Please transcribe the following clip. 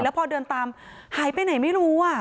พอเดินตามหายไปไหนไม่รู้